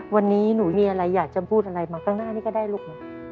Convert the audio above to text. วันนี้หนูอยากจำพูดอะไรมาตั้งหน้าแบบนี้เลยลูก